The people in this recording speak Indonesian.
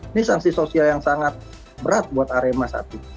ini sanksi sosial yang sangat berat buat arema satu